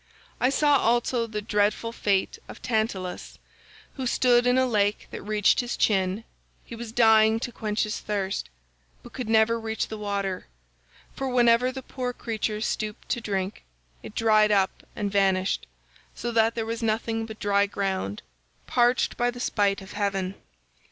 "I saw also the dreadful fate of Tantalus, who stood in a lake that reached his chin; he was dying to quench his thirst, but could never reach the water, for whenever the poor creature stooped to drink, it dried up and vanished, so that there was nothing but dry ground—parched by the spite of heaven.